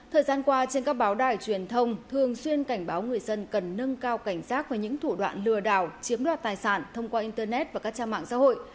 thời gian qua trên các báo đài truyền thông thường xuyên cảnh báo người dân cần nâng cao cảnh giác với những thủ đoạn lừa đảo chiếm đoạt tài sản thông qua internet và các trang mạng xã hội